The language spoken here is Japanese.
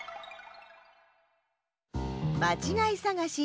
まちがいさがし２